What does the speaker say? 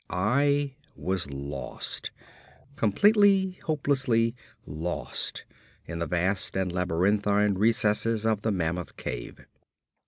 I was lost, completely, hopelessly lost in the vast and labyrinthine recess of the Mammoth Cave.